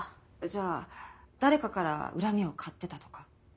じゃあ誰かから恨みを買ってたとか。